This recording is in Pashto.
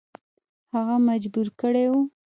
هغه مجبور کړی وو.